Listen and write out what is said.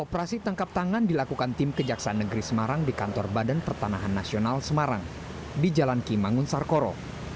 operasi tangkap tangan dilakukan tim kejaksaan negeri semarang di kantor badan pertanahan nasional semarang di jalan kimangun sarkoro